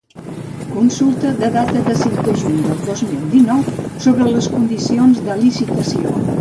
Consulta, de data cinc de juny de dos mil dinou, sobre les condicions de licitació.